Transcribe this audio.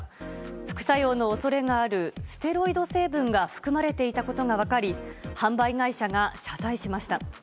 副作用の恐れがあるステロイド成分が含まれていたことが分かり販売会社が謝罪しました。